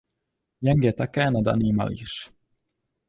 Young je také nadaný malíř.